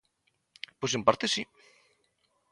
Pois en parte si.